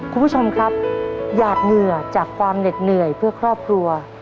คุณผู้ชมครับหยาดเหงื่อจากความเหน็ดเหนื่อยเพื่อครอบครัว